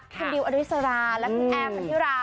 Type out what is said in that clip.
คุณดิวอริสราและคุณแอร์พันธิรา